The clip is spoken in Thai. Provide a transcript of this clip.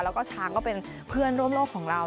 แล้วก็ช้างก็เป็นเพื่อนร่วมโลกของเรา